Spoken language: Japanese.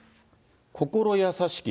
心優しき